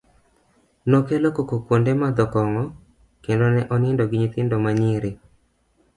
,nokelo koko kwonde madho kong'o kendo ne onindo gi nyithindo ma nyiri